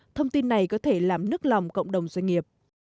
thông tin này có thể làm nức lòng cộng đồng doanh nghiệp